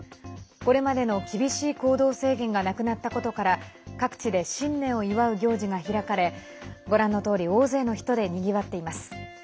これまでの厳しい行動制限がなくなったことから各地で新年を祝う行事が開かれご覧のとおり大勢の人で、にぎわっています。